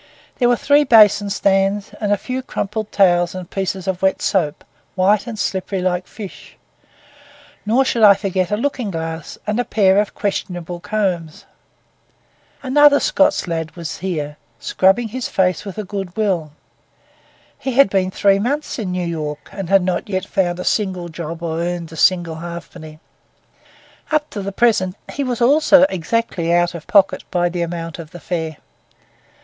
There were three basin stands, and a few crumpled towels and pieces of wet soap, white and slippery like fish; nor should I forget a looking glass and a pair of questionable combs. Another Scots lad was here, scrubbing his face with a good will. He had been three months in New York and had not yet found a single job nor earned a single halfpenny. Up to the present, he also was exactly out of pocket by the amount of the fare.